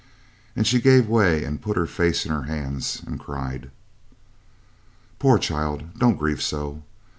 And she gave way and put her face in her hands and cried. "Poor child, don't grieve so.